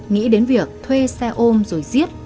nghĩ đến việc thuê xe ôm rồi giết